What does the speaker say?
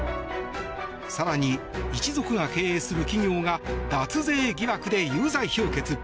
更に、一族が経営する企業が脱税疑惑で有罪評決。